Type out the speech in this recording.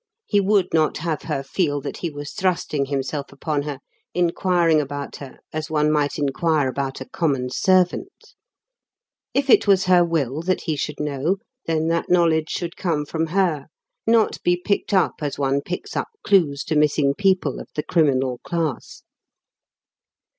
He would not have her feel that he was thrusting himself upon her, inquiring about her as one might inquire about a common servant. If it was her will that he should know, then that knowledge should come from her, not be picked up as one picks up clues to missing people of the criminal class.